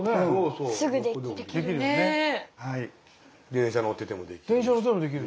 電車乗っててもできる。